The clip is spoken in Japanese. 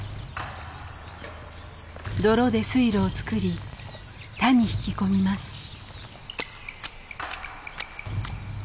泥で水路を作り田に引き込みます。